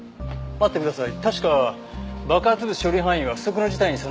待ってください。